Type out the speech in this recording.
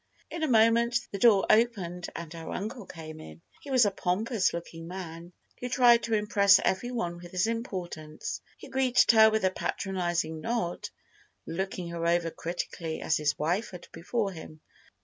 In a moment the door opened and her uncle came in. He was a pompous looking man who tried to impress every one with his importance. He greeted her with a patronizing nod, looking her over critically, as his wife had before him.